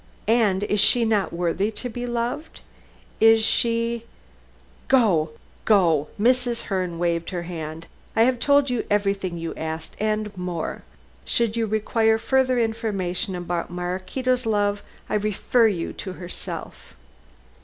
And is she not worthy to be loved? Is she go go." Mrs. Herne waved her hand. "I have told you everything you asked, and more. Should you require further information about Maraquito's love, I refer you to herself."